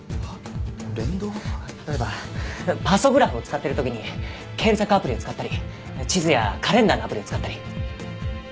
例えばパソグラフを使ってる時に検索アプリを使ったり地図やカレンダーのアプリを使ったり。